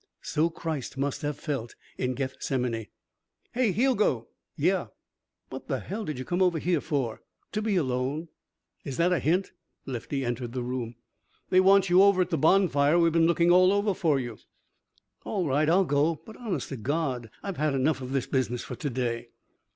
So Christ must have felt in Gethsemane. "Hey, Hugo!" "Yeah?" "What the hell did you come over here for?" "To be alone." "Is that a hint?" Lefty entered the room. "They want you over at the bonfire. We've been looking all over for you." "All right. I'll go. But, honest to God, I've had enough of this business for to day."